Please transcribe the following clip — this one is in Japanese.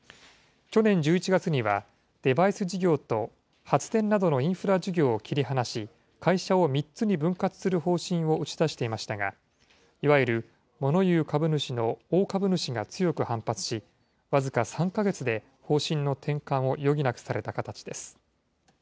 去年１１月には、デバイス事業と発電などのインフラ事業を切り離し、会社を３つに分割する方針を打ち出していましたが、いわゆるモノ言う株主の大株主が強く反発し、僅か３か月で方針の転換を余儀なくされた形です。